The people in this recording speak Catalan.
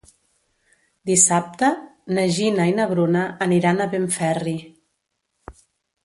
Dissabte na Gina i na Bruna aniran a Benferri.